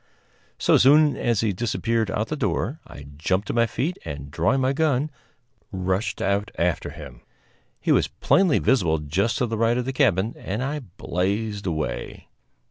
So soon as he had disappeared out of the door I jumped to my feet and, drawing my gun, rushed out after him. He was plainly visible just to the right of the cabin, and I blazed away.